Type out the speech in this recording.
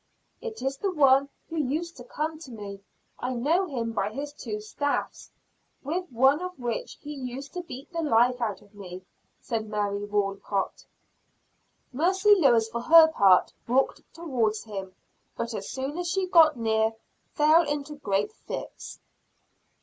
"It is the one who used to come to me. I know him by his two staffs, with one of which he used to beat the life out of me," said Mary Walcott. Mercy Lewis for her part walked towards him; but as soon as she got near, fell into great fits.